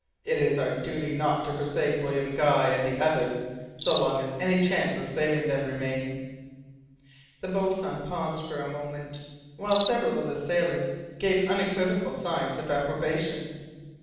It is our duty not to forsake William Guy and the others so long as any chance of saving them remains." The boatswain paused for a moment, while several of the sailors gave unequivocal signs of approbation.